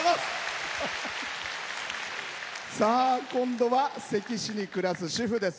今度は関市に暮らす主婦です。